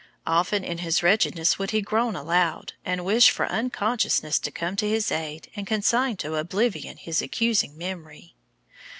Often in his wretchedness would he groan aloud, and wish for unconsciousness to come to his aid and consign to oblivion his accusing memory.